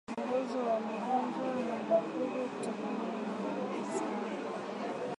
Mwongozo wa magonjwa ya mifugo kutegemeana na dalili zao